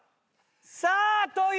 さあという事で。